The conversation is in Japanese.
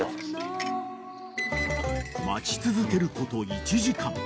［待ち続けること１時間］